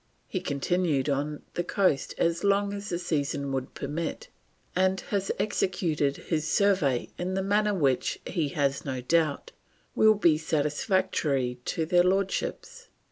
He continued on the coast as long as the season would permit, and has executed his survey in a manner which, he has no doubt, will be satisfactory to their Lordships.